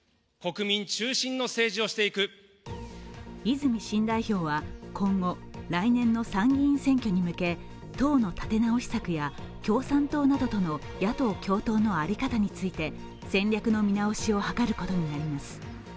泉新代表は今後、来年の参議院選挙に向け党の立て直し策や、共産党などとの野党共闘の在り方について戦略の見直しを図ることになります。